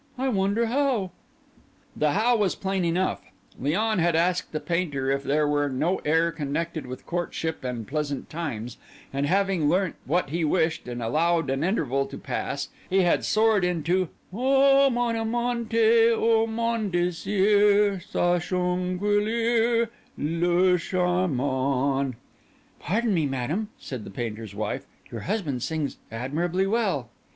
"I wonder how." The how was plain enough. Léon had asked the painter if there were no air connected with courtship and pleasant times; and having learnt what he wished, and allowed an interval to pass, he had soared forth into "O mon amante, O mon désir, Sachons cueillir L'heure charmante!" "Pardon me, Madame," said the painter's wife, "your husband sings admirably well."